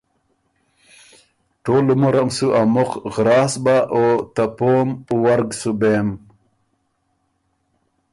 ټول عمرم سُو ا مُخ غراس بۀ۔ او ته پوم ورګ سُو بېم۔